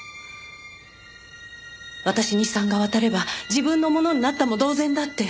私に遺産が渡れば自分のものになったも同然だって。